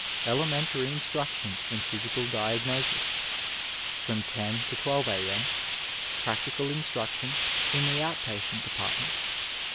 element ary instraction in physical diagnosis. From 10 to 12 a.m. practical instraction in the ont patient d^artment.